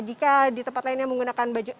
jika di tempat lainnya menggunakan baju